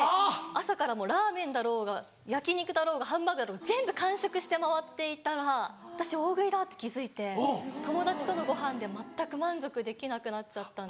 朝からラーメンだろうが焼き肉だろうがハンバーグだろうが全部完食して回っていたら私大食いだって気付いて友達とのご飯で全く満足できなくなっちゃったんです。